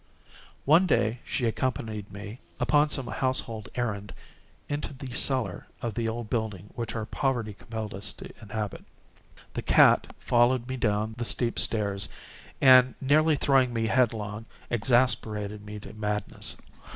One day she accompanied me, upon some household errand, into the cellar of the old building which our poverty compelled us to inhabit. The cat followed me down the steep stairs, and, nearly throwing me headlong, exasperated me to madness.